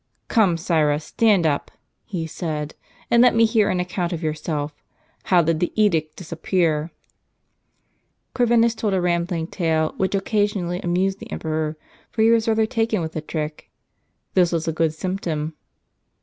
" Come, sirrah ! stand up," he said, " and let me hear an account of yourself. How did the edict disappear ?" Corvinus told a rambling tale, which occasionally amused the emperor ; for he was rather taken with the trick. This was a good symptom.